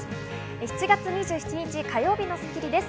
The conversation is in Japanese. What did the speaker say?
７月２７日、火曜日の『スッキリ』です。